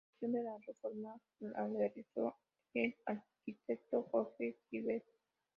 La ejecución de la reforma la realizó el arquitecto Jorge Gisbert.